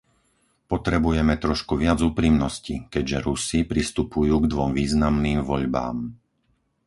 Potrebujeme trošku viac úprimnosti, keďže Rusi pristupujú k dvom významným voľbám.